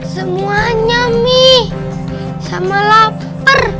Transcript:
semuanya mi sama lapar